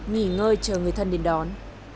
nghỉ ngơi chờ người thân đến đón